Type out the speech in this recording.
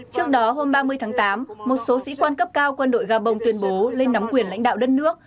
trước đó hôm ba mươi tháng tám một số sĩ quan cấp cao quân đội gabon tuyên bố lên nắm quyền lãnh đạo đất nước